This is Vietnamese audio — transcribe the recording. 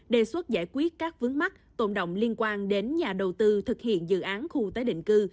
đề xuất giải quyết các vướng mắt tồn động liên quan đến nhà đầu tư thực hiện dự án khu tế định cư